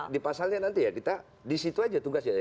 dipasangnya nanti ya kita disitu aja tugasnya